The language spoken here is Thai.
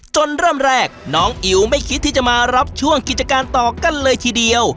เริ่มแรกน้องอิ๋วไม่คิดที่จะมารับช่วงกิจการต่อกันเลยทีเดียว